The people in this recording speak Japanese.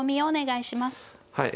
はい。